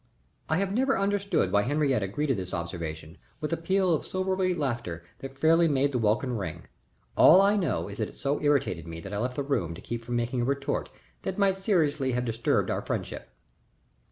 I have never understood why Henriette greeted this observation with a peal of silvery laughter that fairly made the welkin ring. All I know is that it so irritated me that I left the room to keep from making a retort that might seriously have disturbed our friendship.